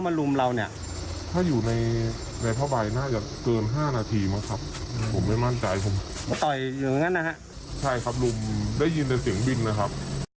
ไม่ได้ยินแต่เสียงบินนะครับ